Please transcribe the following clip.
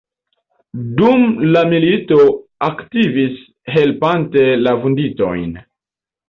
Dum la milito aktivis helpante la vunditojn.